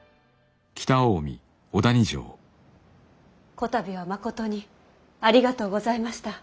こたびはまことにありがとうございました。